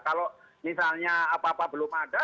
kalau misalnya apa apa belum ada